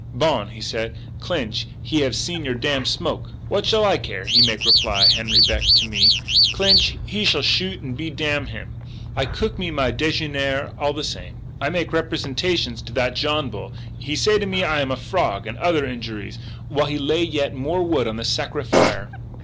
"'Bon,' said I, 'Clinch, he have seen your damn smoke!' "'What shall I care?' he make reply, Henri Beck, to me. 'Clinch he shall shoot and be damn to him. I cook me my déjeûner all the same.' "I make representations to that Johnbull; he say to me that I am a frog, and other injuries, while he lay yet more wood on his sacré fire.